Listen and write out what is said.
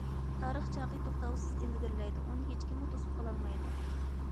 تارىخ چاقى توختاۋسىز ئىلگىرىلەيدۇ، ئۇنى ھېچكىممۇ توسۇپ قالالمايدۇ.